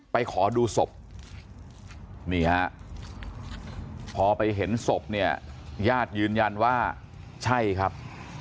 ขอดูศพนี่ฮะพอไปเห็นศพเนี่ยญาติยืนยันว่าใช่ครับ